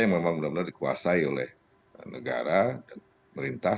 yang memang benar benar dikuasai oleh negara dan pemerintah